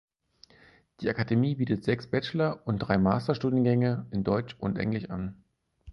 Die Akademie bietet sechs Bachelor- und drei Master-Studiengänge in Deutsch und Englisch an.